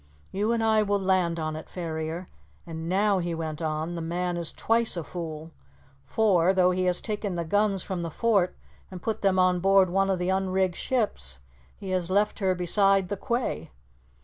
You and I will land on it, Ferrier. And now," he went on, "the man is twice a fool, for, though he has taken the guns from the fort and put them on board one of the unrigged ships, he has left her beside the quay.